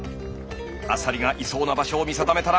アサリがいそうな場所を見定めたら。